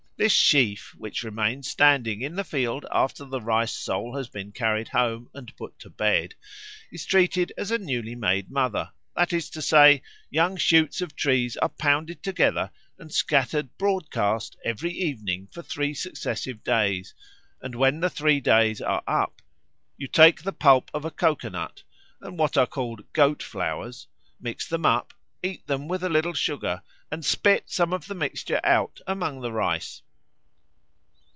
This sheaf, which remains standing in the field after the Rice soul has been carried home and put to bed, is treated as a newly made mother; that is to say, young shoots of trees are pounded together and scattered broadcast every evening for three successive days, and when the three days are up you take the pulp of a coco nut and what are called "goat flowers," mix them up, eat them with a little sugar, and spit some of the mixture out among the rice.